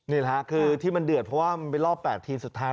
นี่แหละค่ะคือที่มันเดือดเพราะว่ามันเป็นรอบ๘ทีมสุดท้าย